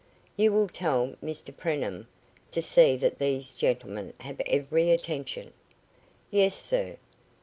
"You will tell Mr Preenham to see that these gentlemen have every attention." "Yes sir."